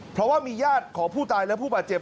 เพราะว่ามีญาติของผู้ตายและผู้บาดเจ็บ